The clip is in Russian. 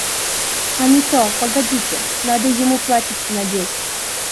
А не то погодите; надо ему платьице надеть.